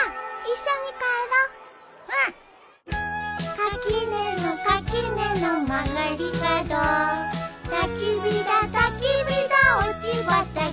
「垣根の垣根のまがりかど」「たき火だたき火だおちばたき」